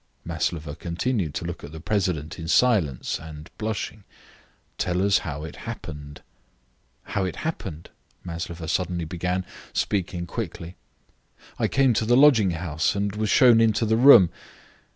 Maslova continued to look at the president in silence, and blushing. "Tell us how it happened." "How it happened?" Maslova suddenly began, speaking quickly. "I came to the lodging house, and was shown into the room.